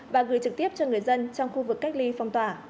và gửi trực tiếp cho người dân trong khu vực cách ly phong tỏa